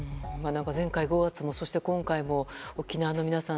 前回の５月、そして今回も沖縄の皆さん